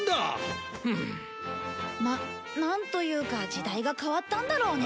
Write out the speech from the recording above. まっなんというか時代が変わったんだろうね。